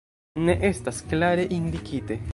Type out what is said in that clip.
Ne estas klare indikite.